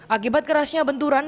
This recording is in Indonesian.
akibat kerasnya benturan